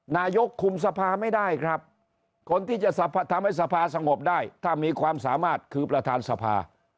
นายกคุมสภาไม่ได้ครับคนที่จะทำให้สภาสงบได้ถ้ามีความสามารถคือประธานสภา